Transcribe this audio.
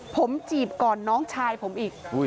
ผมจีบก่อนน้องชายผมอีก